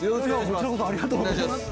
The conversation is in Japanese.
ありがとうございます。